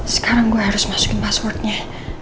sekarang gue harus masukin passwordnya